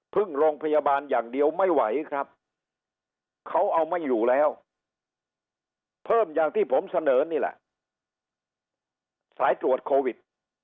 โรงพยาบาลอย่างเดียวไม่ไหวครับเขาเอาไม่อยู่แล้วเพิ่มอย่างที่ผมเสนอนี่แหละสายตรวจโควิด